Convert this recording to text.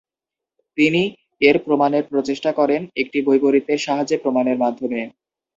তিনি এর প্রমাণের প্রচেষ্টা করেন একটি বৈপরীত্যের সাহায্যে প্রমাণের মাধ্যমে।